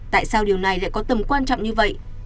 tại sao điều này lại có tầm quan trọng như vậy